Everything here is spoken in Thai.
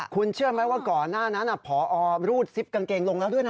คุณเชื่อไหมว่าก่อนหน้านั้นพอรูดซิปกางเกงลงแล้วด้วยนะ